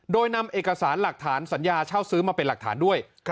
โดยนำเอกสารหลักฐานสัญญาเช่าซื้อมาเป็นหลักฐานด้วย